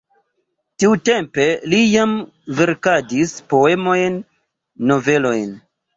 Tiutempe li jam verkadis poemojn, novelojn.